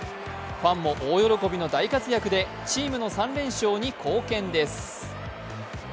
ファンも大喜びの大活躍でチームの３連勝に貢献です。